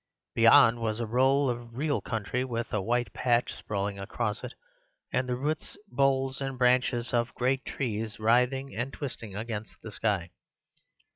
Beyond was a roll of real country, with a white path sprawling across it, and the roots, boles, and branches of great gray trees writhing and twisting against the sky.